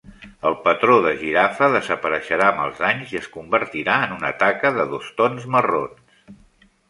El patró de girafa desapareixerà amb els anys i es convertirà en una taca de dos tons marrons.